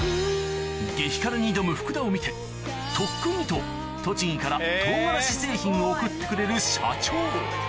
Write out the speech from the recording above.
激辛に挑む福田を見て「特訓に」と栃木から唐辛子製品を送ってくれる社長